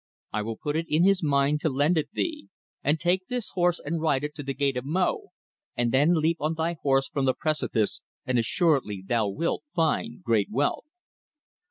I will put it in his mind to lend it thee; and take this horse and ride it to the Gate of Mo, and then leap on thy horse from the precipice, and assuredly thou wilt find great wealth.'